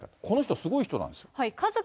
この人はすごい人なんですか。